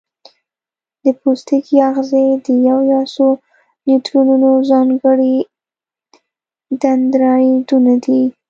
د پوستکي آخذې د یو یا څو نیورونونو ځانګړي دندرایدونه دي.